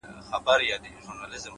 نیک اخلاق د انسان ښکلی تصویر جوړوي،